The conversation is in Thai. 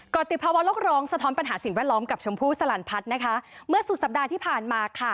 ติดภาวะโลกร้องสะท้อนปัญหาสิ่งแวดล้อมกับชมพู่สลันพัฒน์นะคะเมื่อสุดสัปดาห์ที่ผ่านมาค่ะ